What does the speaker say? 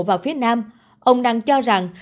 vào phía nam ông đăng cho rằng